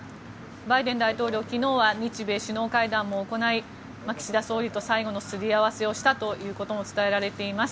バイデン大統領、昨日は日米首脳会談も行い岸田総理と最後のすり合わせをしたということも伝えられています。